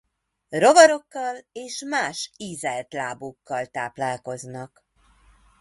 Rovarokkal és más ízeltlábúkkal táplálkoznak.